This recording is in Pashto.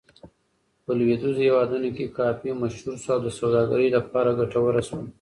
په لویدیځو هېوادونو کې کافي مشهور شو او د سوداګرۍ لپاره ګټوره شوه.